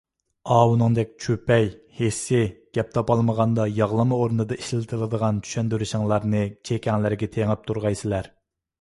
ئاۋۇنىڭدەك چۈپەي، ھېسسىي، گەپ تاپالمىغاندا ياغلىما ئورنىدا ئىشلىتىدىغان چۈشەندۈرۈشلىرىڭلارنى چېكەڭلەرگە تېڭىپ تۇرغايسىلەر.